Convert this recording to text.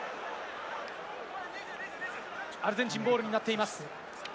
アルゼンチンボールになっています。